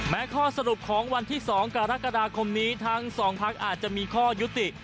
ข้อสรุปของวันที่๒กรกฎาคมนี้ทั้งสองพักอาจจะมีข้อยุติ